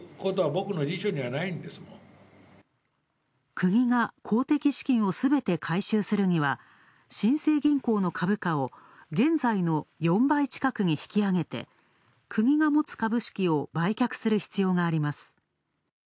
国が公的資金をすべて回収するには、新生銀行の株価を現在の４倍近くに引き上げて、国が持つ株式を売却する必要があります。